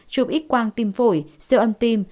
chụp ít quang tim phổi siêu âm tim